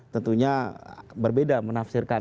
tentunya berbeda menafsirkan